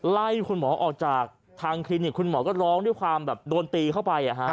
ไล่คุณหมอออกจากทางคลินิกคุณหมอก็ร้องด้วยความแบบโดนตีเข้าไป